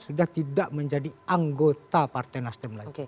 sudah tidak menjadi anggota partai nasdem lagi